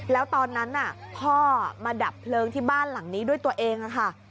แล้วตอนนั้นพ่อมาดับเพลิงที่บ้านหลังนี้ด้วยตัวเองค่ะ